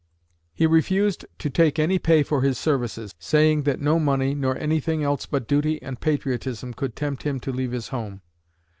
He refused to take any pay for his services, saying that no money, nor anything else but duty and patriotism could tempt him to leave his home.